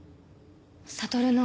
悟の。